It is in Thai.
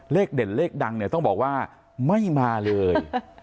เด่นเลขดังเนี่ยต้องบอกว่าไม่มาเลย